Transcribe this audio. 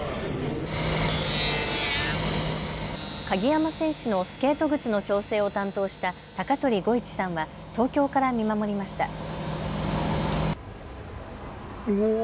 鍵山選手のスケート靴の調整を担当した鷹取吾一さんは東京から見守りました。